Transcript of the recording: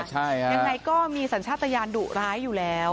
ยังไงก็มีสัญชาติยานดุร้ายอยู่แล้ว